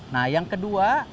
nah yang kedua